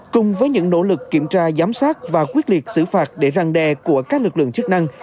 cùng với những nỗ lực kiểm tra giám sát và quyết liệt xử phạt để răng đe của các lực lượng chức năng